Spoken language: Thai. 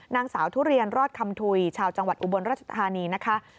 นางสาวทุเรียนรอดคำถุยชาวจังหวัดอุบลราชธานีนะคะ